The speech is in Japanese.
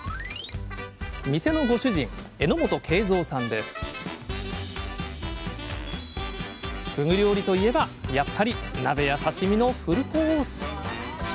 店のご主人ふぐ料理といえばやっぱり鍋や刺身のフルコース！